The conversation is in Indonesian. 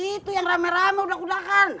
itu yang rame rame kudakan kudakan